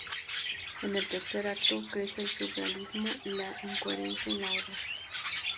En el tercer acto, crece el surrealismo y la incoherencia en la obra.